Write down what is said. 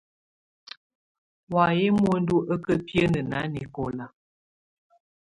Wayɛ̀ muǝndù á ká biǝ́nǝ́ nanɛkɔ̀la.